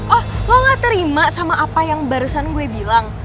oh gue gak terima sama apa yang barusan gue bilang